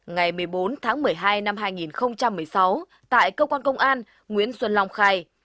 ngày một mươi bốn tháng một mươi hai năm hai nghìn một mươi sáu tại cơ quan công an nguyễn xuân long khai